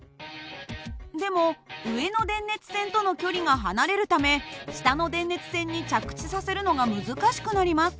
でも上の電熱線との距離が離れるため下の電熱線に着地させるのが難しくなります。